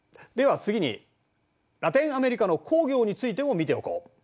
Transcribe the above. では次にラテンアメリカの工業についても見ておこう。